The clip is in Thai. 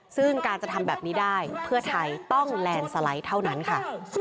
ซึ่งการจะทำแบบนี้ได้เพื่อไทยต้องแลนด์สไลด์เท่านั้นค่ะ